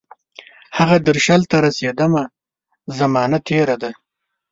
هغه درشل ته رسیدمه، زمانه تیره ده